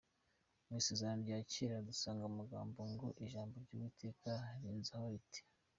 Mu Isezerano rya Kera dusanga amagambo ngo “Ijambo ry’Uwiteka rinzaho riti.